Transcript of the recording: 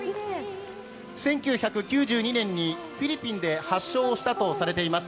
１９９２年にフィリピンで発祥したとされています。